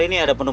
tidak ada cinta